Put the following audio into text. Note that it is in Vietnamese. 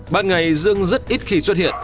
ban ngày dương rất ít khi xuất hiện